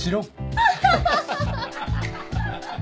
アハハハハ。